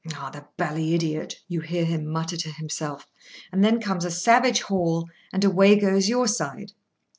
"Ah, the bally idiot!" you hear him mutter to himself; and then comes a savage haul, and away goes your side.